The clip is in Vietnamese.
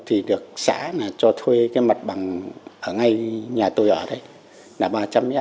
thì được xã cho thuê cái mặt bằng ở ngay nhà tôi ở đấy là ba trăm linh m